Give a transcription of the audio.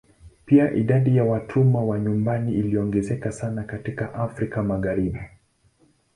Pia idadi ya watumwa wa nyumbani iliongezeka sana katika Afrika Magharibi.